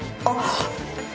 あっ。